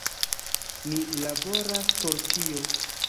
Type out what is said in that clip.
Ni laboras por tio.